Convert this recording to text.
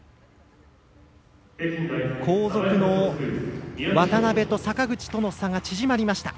後続の渡部と坂口との差が縮まりました。